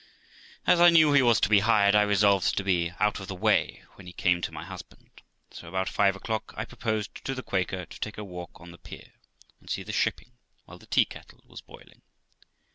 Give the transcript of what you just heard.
As I knew he was to b hired, I resolved to be out of the way when he came to my husband; so about five o'clock I proposed to the Quaker to take a walk on the pier and see the shipping, while the tea kettle was boiling.